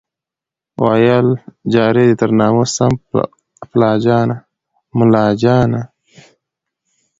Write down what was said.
ویل جار دي تر نامه سم مُلاجانه